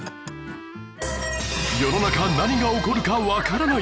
世の中何が起こるかわからない！